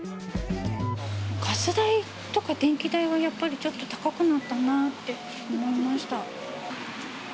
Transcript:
ガス代とか電気代はやっぱり、ちょっと高くなったなって思いました。